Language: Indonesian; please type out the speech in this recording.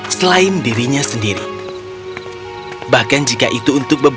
kami akan kollege jodie untuk tim ini